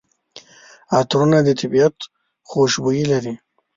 عطرونه د طبیعت خوشبويي لري.